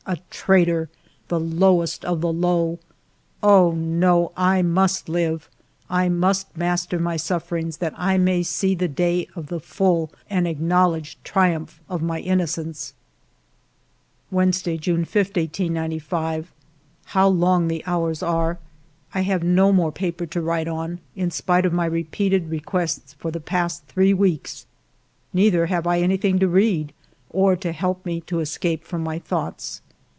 A traitor ! The lowest of the low ! Oh, no, I must live ; I must master my suffer ings, that I may see the day of the full and acknowledged triumph of my innocence. 138 FIVE YEARS OF MY LIFE JVednesday^ June 5, 1895. How long the hours are ! I have no more paper to write on, in spite of my repeated re quests for the past three weeks. Neither have I anything to read, or to help me to escape from my thoughts.